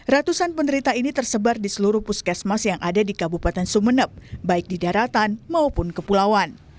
ratusan penderita ini tersebar di seluruh puskesmas yang ada di kabupaten sumeneb baik di daratan maupun kepulauan